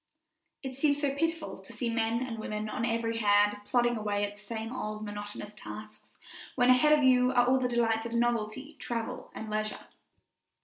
It seems so pitiful to see men and women on every hand plodding away at the same old, monotonous tasks, when ahead of you are all the delights of novelty, travel, and leisure.